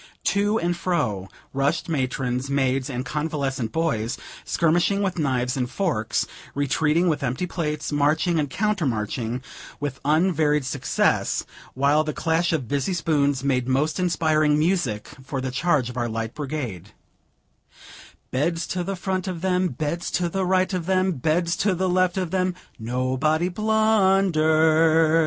To and fro rushed matrons, maids, and convalescent "boys," skirmishing with knives and forks; retreating with empty plates; marching and counter marching, with unvaried success, while the clash of busy spoons made most inspiring music for the charge of our Light Brigade: "Beds to the front of them, Beds to the right of them, Beds to the left of them, Nobody blundered.